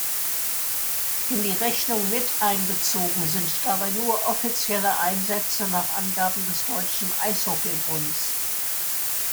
In die Rechnung miteinbezogen sind dabei nur offizielle Einsätze nach Angaben des Deutschen Eishockey-Bunds.